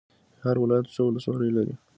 هر ولایت څو ولسوالۍ لري؟